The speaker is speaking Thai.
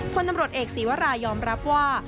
พลตำรวจเอกศีวรายยอมรับว่า